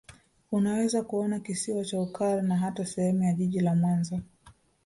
Unaweza kuona Kisiwa cha Ukara na hata sehemu ya Jiji la Mwanza